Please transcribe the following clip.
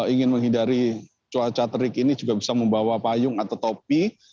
ingin menghindari cuaca terik ini juga bisa membawa payung atau topi